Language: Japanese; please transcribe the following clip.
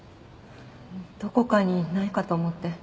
どこかにないかと思って。